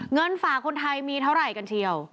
เงินฝากคนไทยมีเท่าไหร่กันเชียว